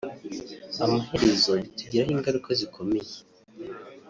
amaherezo bitugiraho ingaruka zikomeye